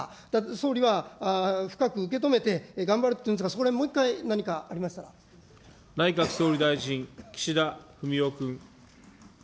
総理は深く受け止めて頑張るっていうんですが、そこでもう一回、内閣総理大臣、岸田文雄君。